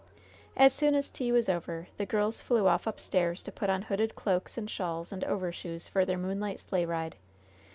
As soon as tea was over, the girls flew off upstairs to put on hooded cloaks and shawls and overshoes for their moonlight sleigh ride.